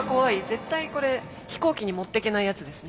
絶対これ飛行機に持ってけないやつですね。